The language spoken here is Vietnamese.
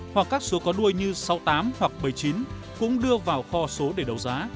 hoặc các số có đuôi như sáu tám hoặc bảy chín cũng đưa vào kho số để đấu giá